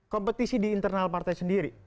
kompetisi di internal partai sendiri